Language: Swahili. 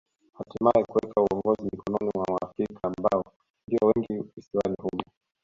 Hatimae kuweka uongozi mikononi mwa Waafrika ambao ndio wengi visiwani humo